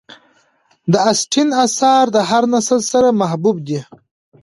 د اسټن آثار د هر نسل سره محبوب دي.